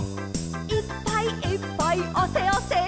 「いっぱいいっぱいあせあせ」